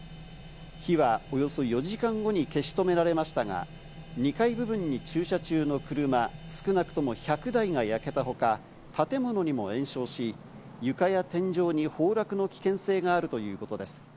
火はおよそ４時間後に消し止められましたが、２階部分に駐車中の車、少なくとも１００台が焼けた他、建物にも延焼し、床や天井に崩落の危険性があるということです。